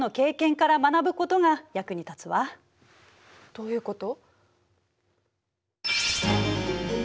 どういうこと？